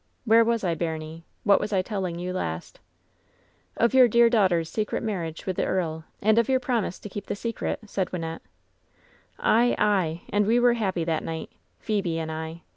Where was I, baimie ? What was I telling you last ?" "Of your dear daughter's secret marriage with the earl, and of your promise to keep the secret,'' said Wynnette. "Ay, ay! And we were happy that night Phebe and I.